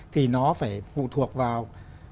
thì nó phải phụ thuộc vào